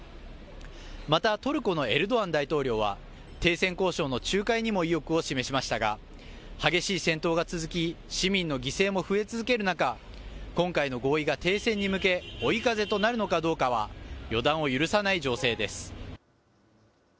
また、トルコのエルドアン大統領は、停戦交渉の仲介にも意欲を示しましたが、激しい戦闘が続き、市民の犠牲も増え続ける中、今回の合意が停戦に向け追い風となるのかどうかは、予断を許さない情勢です。